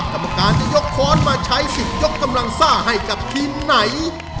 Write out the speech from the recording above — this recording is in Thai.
กรรมการจะยกค้อนมาใช้สิทธิ์ยกกำลังซ่าให้กับทีมไหน